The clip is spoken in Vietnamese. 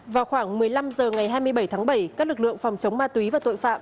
vào khoảng một mươi năm h ngày hai mươi bảy tháng bảy các lực lượng phòng chống ma túy và tội phạm